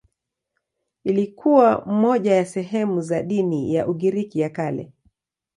Ilikuwa moja ya sehemu za dini ya Ugiriki ya Kale.